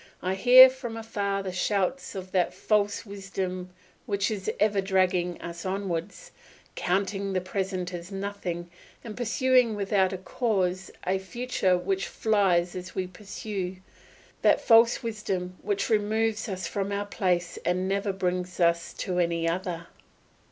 I hear from afar the shouts of that false wisdom which is ever dragging us onwards, counting the present as nothing, and pursuing without a pause a future which flies as we pursue, that false wisdom which removes us from our place and never brings us to any other.